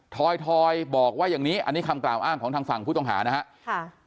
ทอยบอกว่าอย่างนี้อันนี้คำกล่าวอ้างของทางฝั่งผู้ต้องหานะครับ